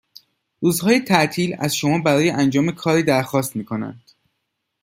روز های تعطیل از شما برای انجام کاری در خواست میکنند